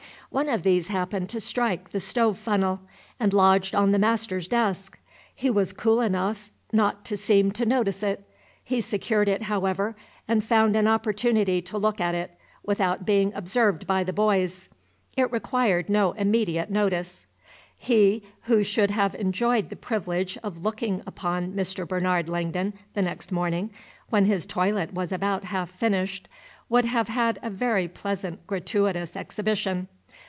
One of these happened to strike the stove funnel, and lodged on the master's desk. He was cool enough not to seem to notice it. He secured it, however, and found an opportunity to look at it, without being observed by the boys. It required no immediate notice. He who should have enjoyed the privilege of looking upon Mr. Bernard Langdon the next morning, when his toilet was about half finished, would have had a very pleasant gratuitous exhibition.